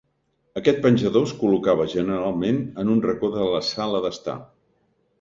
Aquest penjador es col·locava generalment en un racó de la sala d'estar.